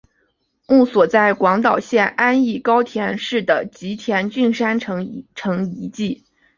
墓所在广岛县安艺高田市的吉田郡山城城迹内。